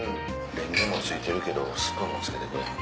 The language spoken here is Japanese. れんげも付いてるけどスプーンも付けてくれはる。